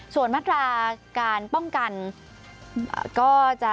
ส่วนมาตราการป้องกันก็จะ